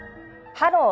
「ハロー！